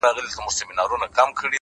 اوس مي له هري لاري پښه ماته ده،